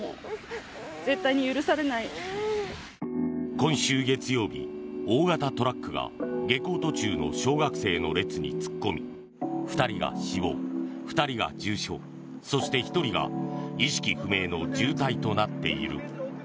今週月曜日、大型トラックが下校途中の小学生の列に突っ込み２人が死亡、２人が重傷そして１人が意識不明の重体となっている。